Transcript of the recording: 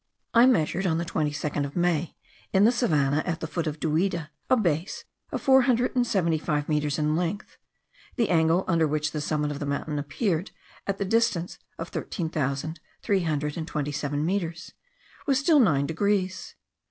I measured, on the 22nd of May, in the savannah at the foot of Duida, a base of four hundred and seventy five metres in length; the angle, under which the summit of the mountain appeared at the distance of thirteen thousand three hundred and twenty seven metres, was still nine degrees.